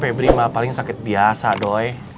debbie mah paling sakit biasa doi